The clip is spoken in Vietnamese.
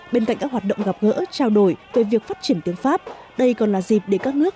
bên cạnh các hoạt động gặp gỡ trao đổi về việc phát triển tiếng pháp đây còn là dịp để các nước